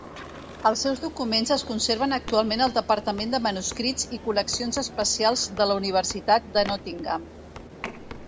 Els seus documents es conserven actualment al departament de manuscrits i col·leccions especials de la universitat de Nottingham.